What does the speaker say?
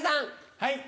はい。